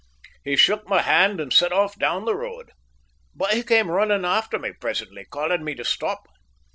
He shook my hand and set off down the road, but he came running after me presently, calling me to stop.